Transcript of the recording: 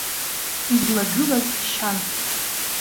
Излагылаз шьан.